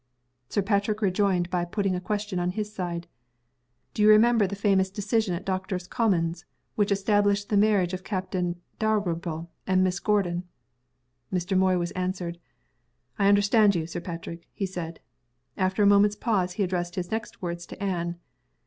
Sir Patrick rejoined by putting a question on his side. "Do you remember the famous decision at Doctors' Commons, which established the marriage of Captain Dalrymple and Miss Gordon?" Mr. Moy was answered. "I understand you, Sir Patrick," he said. After a moment's pause, he addressed his next words to Anne.